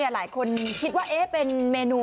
หลายคนคิดว่าเป็นเมนู